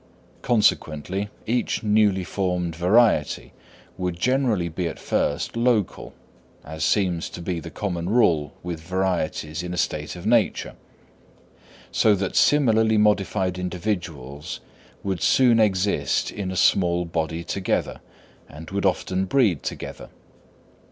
Consequently each newly formed variety would generally be at first local, as seems to be the common rule with varieties in a state of nature; so that similarly modified individuals would soon exist in a small body together, and would often breed together.